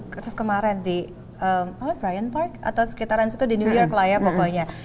kasus kemarin di brian park atau sekitaran situ di new york lah ya pokoknya